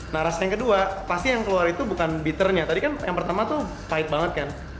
nah rasa yang kedua pasti yang keluar itu bukan bitternya tadi kan yang pertama tuh pahit banget kan